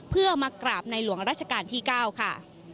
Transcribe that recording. เพื่อมากราบในหลวงราชการที่๙ค่ะ